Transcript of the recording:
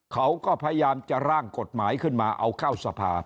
เขาก็พยายามจะร่างกฎหมายขึ้นมาเอาเข้าสภา